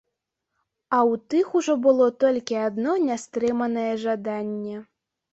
А ў тых ужо было толькі адно нястрыманае жаданне.